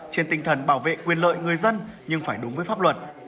trên tinh thần bảo vệ quyền lợi người dân nhưng phải đúng với pháp luật